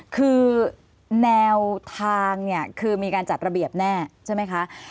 คือแนวทางเนี่ยคือมีการจัดระเบียบแน่ใช่ไหมคะ